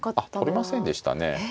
取りませんでしたね。